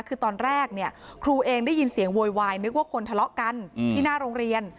คือตอนแรกเนี่ยครูเองได้ยินเสียงโวยวายนึกว่าคนทะเลาะกันที่หน้าโรงเรียน